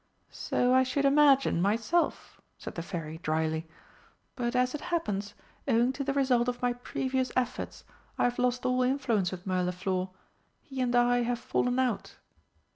"So I should imagine, myself," said the Fairy drily. "But, as it happens, owing to the result of my previous efforts, I have lost all influence with Mirliflor. He and I have fallen out."